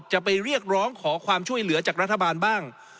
จะไปเรียกร้องขอความช่วยเหลือจากรัฐบาลบ้าง